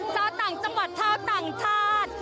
ชาวต่างจังหวัดชาวต่างชาติ